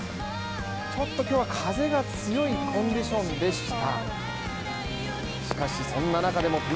ちょっと今日は風が強いコンディションでした。